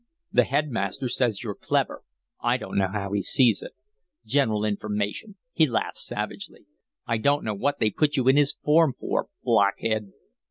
"The headmaster says you're clever. I don't know how he sees it. General information." He laughed savagely. "I don't know what they put you in his form for, Blockhead."